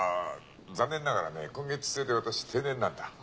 残念ながらね今月末で私定年なんだ。